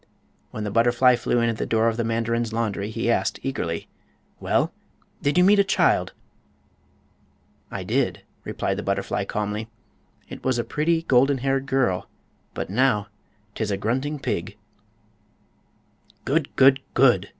When the butterfly flew in at the door of the mandarin's laundry he asked, eagerly: "Well, did you meet a child?" "I did," replied the butterfly, calmly. "It was a pretty, golden haired girl—but now 'tis a grunting pig!" "Good! Good! Good!"